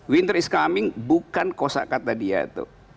winter is coming bukan kosa kata dia tuh